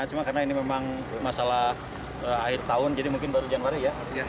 cuma karena ini memang masalah akhir tahun jadi mungkin baru januari ya